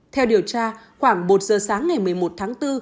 theo điều tra khoảng một giờ sáng ngày một mươi một tháng bốn